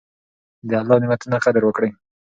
د الله نعمتونو قدر وکړئ.